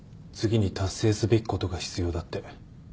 次に達成すべきことが必要だって。